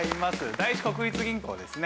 第一国立銀行ですね。